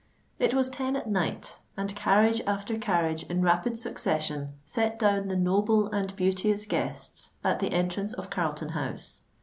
It was ten at night; and carriage after carriage, in rapid succession, set down the noble and beauteous guests at the entrance of Carlton House.